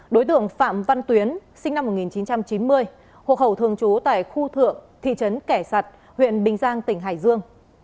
đối tượng phạm văn tuyến sinh năm một nghìn chín trăm chín mươi hộ khẩu thường trú tại khu thượng thị trấn kẻ sạt huyện bình giang tỉnh hải dương